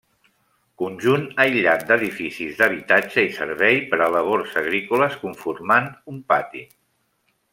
Conjunt aïllat d'edificis d'habitatge i servei per a labors agrícoles conformant un pati.